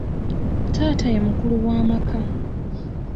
Taata ye mukulu w'amaka.